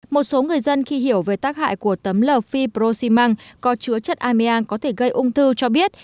một số người dân khi hiểu về tác hại của tấm lợ fibrosimang có chứa chất ameang có thể gây ung thư cho biết